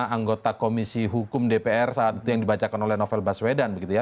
anggota komisi hukum dpr yang dibacakan oleh novel baswedan